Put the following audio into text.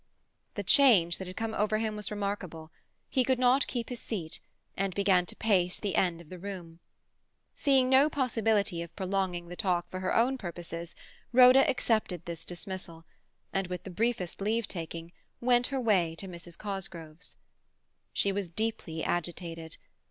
The change that had come over him was remarkable. He could not keep his seat, and began to pace the end of the room. Seeing no possibility of prolonging the talk for her own purposes, Rhoda accepted this dismissal, and with the briefest leave taking went her way to Mrs. Cosgrove's. She was deeply agitated.